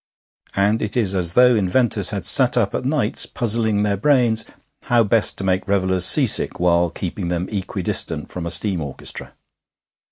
And it is as though inventors had sat up at nights puzzling their brains how best to make revellers seasick while keeping them equidistant from a steam orchestra....